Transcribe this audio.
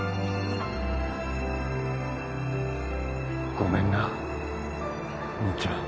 ごめんな兄ちゃん。